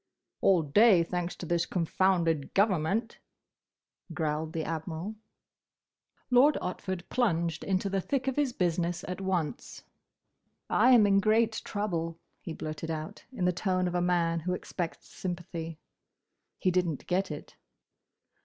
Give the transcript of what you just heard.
"All day; thanks to this confounded government," growled the Admiral. Lord Otford plunged into the thick of his business at once. "I am in great trouble," he blurted out, in the tone of a man who expects sympathy. He didn't get it.